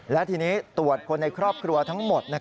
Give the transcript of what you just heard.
และทีนี้ตรวจคนในครอบครัวทั้งหมด